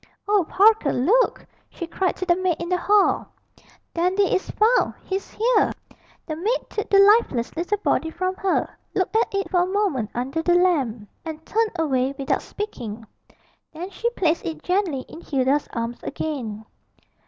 'Oh, Parker, look!' she cried to the maid in the hall, 'Dandy is found he's here!' The maid took the lifeless little body from her, looked at it for a moment under the lamp, and turned away without speaking. Then she placed it gently in Hilda's arms again.